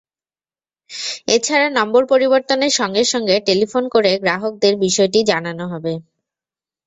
এ ছাড়া নম্বর পরিবর্তনের সঙ্গে সঙ্গে টেলিফোন করে গ্রাহকদের বিষয়টি জানানো হবে।